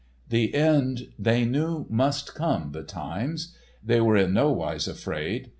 The end they knew must come betimes. They were in nowise afraid.